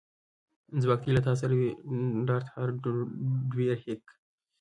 ځواک دې له تا سره وي ډارت هارډویر هیک